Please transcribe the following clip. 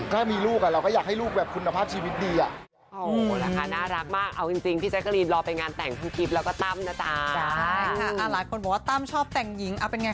ถ้ามีลูกเราก็อยากให้ลูกแบบคุณภาพชีวิตดี